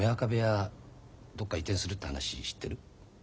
どっか移転するって話知ってる？